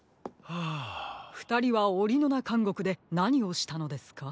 ふたりはオリノナかんごくでなにをしたのですか？